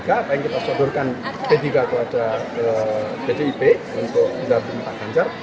apa yang kita sodorkan p tiga atau ada ptib untuk tiga puluh empat ganjar